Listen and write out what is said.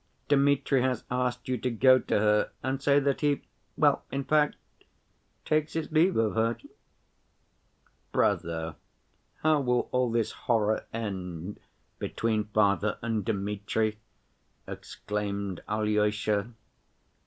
Dmitri has asked you to go to her and say that he—well, in fact—takes his leave of her?" "Brother, how will all this horror end between father and Dmitri?" exclaimed Alyosha.